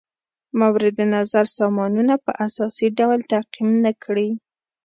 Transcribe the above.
مورد نظر سامانونه په اساسي ډول تعقیم نه کړي.